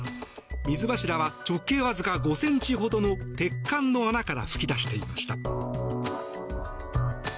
水柱は直径わずか５ｃｍほどの鉄管の穴から噴き出していました。